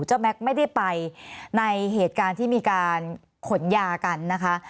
แม็กซ์ไม่ได้ไปในเหตุการณ์ที่มีการขนยากันนะคะ